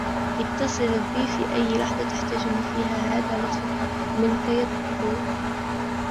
اتّصل بي في أيّ لحظة تحتاجني فيها. "هذا لطف منك يا دكتور."